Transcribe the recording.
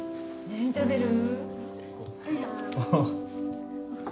何食べる？